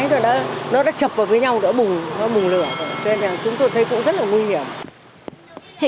cho nên là chúng tôi thấy cũng rất là nguy hiểm